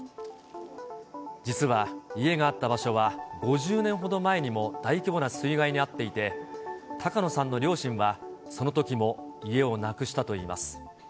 実は家があった場所は、５０年ほど前にも大規模な水害に遭っていて、高野さんの両親は、そのときも家をなくしたといいます。